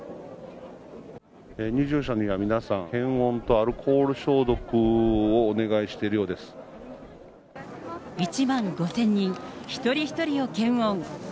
入場者の皆さん、検温とアルコール消毒をお願いしているよう１万５０００人、一人一人を検温。